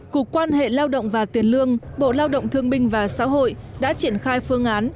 cục quan hệ lao động và tiền lương bộ lao động thương minh và xã hội đã triển khai phương án